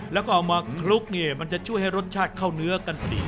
แล้วก็เอามาคลุกเนี่ยมันจะช่วยให้รสชาติเข้าเนื้อกันพอดี